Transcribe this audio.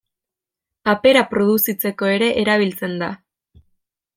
Papera produzitzeko ere erabiltzen da.